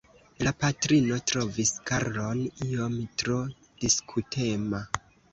La patrino trovis Karlon iom tro diskutema.